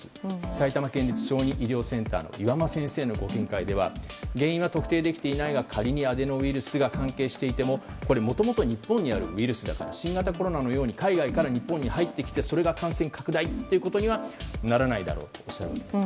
埼玉県立小児医療センターの岩間先生のご見解では原因は特定できていないが仮にアデノウイルスが関係していてももともと日本にあるウイルスだから新型コロナのように海外から日本に入ってきてそれが感染拡大ということにはならないだろうとおっしゃっています。